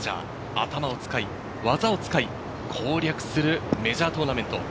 頭を使い、技を使い、攻略するメジャートーナメント。